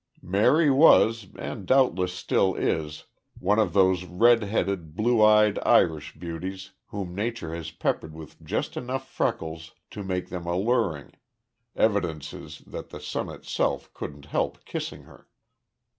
"Mary was and doubtless still is one of those red headed, blue eyed Irish beauties whom nature has peppered with just enough freckles to make them alluring, evidences that the sun itself couldn't help kissing her.